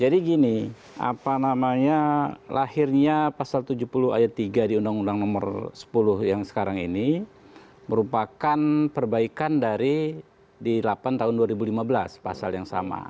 jadi gini apa namanya lahirnya pasal tujuh puluh ayat tiga di undang undang nomor sepuluh yang sekarang ini merupakan perbaikan dari di delapan tahun dua ribu lima belas pasal yang sama